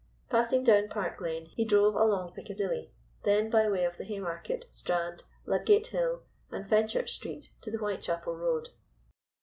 Passing down Park Lane he drove along Piccadilly, then by way of the Haymarket, Strand, Ludgate Hill, and Fenchurch Street to the Whitechapel Road.